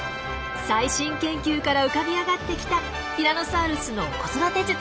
最新研究から浮かび上がってきたティラノサウルスの子育て術。